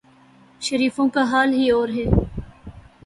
شریفوں کا حال ہی اور ہے۔